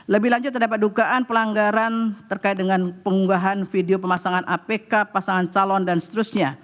lebih lanjut terdapat dugaan pelanggaran terkait dengan pengunggahan video pemasangan apk pasangan calon dan seterusnya